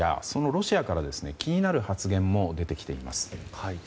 そのロシアから気になる発言も出てきています。